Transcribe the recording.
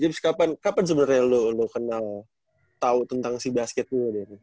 james kapan sebenarnya lu kenal tau tentang si basket mu